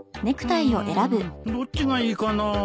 んどっちがいいかな。